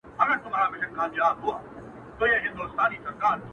قاسم یار مین پر داسي جانانه دی,